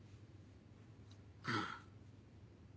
うん。